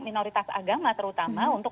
minoritas agama terutama untuk